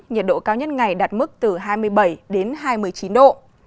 nhiệt độ cao nhất ngày đạt mức từ hai mươi bảy đến hai mươi chín độ